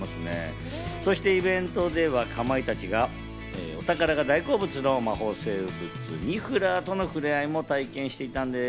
そしてイベントではかまいたちがお宝が大好物の魔法生物・ニフラーとの触れ合いも体験していたんです。